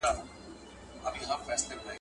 د افغانستان تاریخ په تورو او وینو لیکل شوی دی.